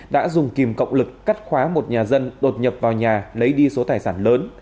đã dùng kìm cộng lực cắt khóa một nhà dân đột nhập vào nhà lấy đi số tài sản lớn